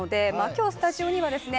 今日スタジオにはですね